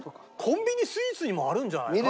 コンビニスイーツにもあるんじゃないか？